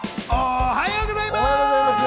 おはようございます！